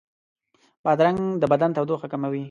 بادرنګ د بدن تودوخه کموي.